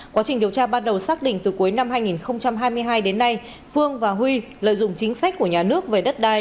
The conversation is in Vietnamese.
quá trình điều tra ban đầu xác định từ cuối năm hai nghìn hai mươi hai đến nay phương và huy lợi dụng chính sách của nhà nước về đất đai